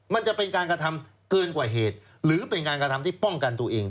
มันจะเป็นการกระทำเกินกว่าเหตุหรือเป็นการกระทำที่ป้องกันตัวเอง